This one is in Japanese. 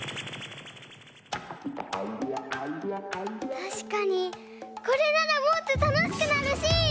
たしかにこれならもっとたのしくなるし！